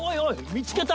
見つけた！